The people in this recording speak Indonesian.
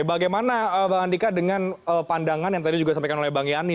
bagaimana bang andika dengan pandangan yang tadi juga disampaikan oleh bang yani